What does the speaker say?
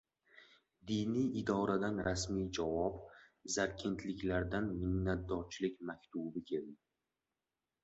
Diniy idoradan rasmiy javob, zarkentliklardan minnatdorchilik maktubi keldi